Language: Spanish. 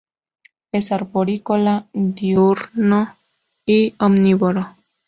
Es arborícola, diurno y omnívoro.